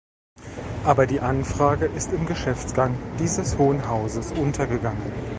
Aber die Anfrage ist im Geschäftsgang dieses Hohen Hauses untergegangen.